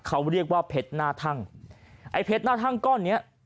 เขาเรียกว่าเพชรหน้าทั่งไอ้เพชรหน้าทั่งก้อนเนี้ย